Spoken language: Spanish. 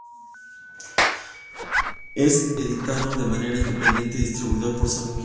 Es editado de manera independiente, distribuido por Sony Music.